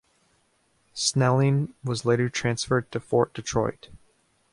Snelling was later transferred to Fort Detroit.